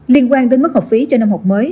liên quan đến mức học phí cho năm học mới